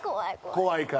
怖いから。